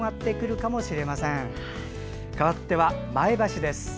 かわっては、前橋です。